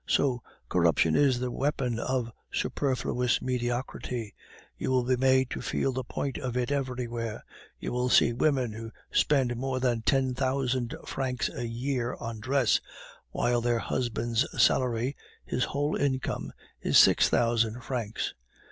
So corruption is the weapon of superfluous mediocrity; you will be made to feel the point of it everywhere. You will see women who spend more than ten thousand francs a year on dress, while their husband's salary (his whole income) is six thousand francs.